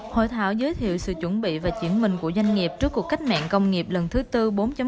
hội thảo giới thiệu sự chuẩn bị và chuyển mình của doanh nghiệp trước cuộc cách mạng công nghiệp lần thứ tư bốn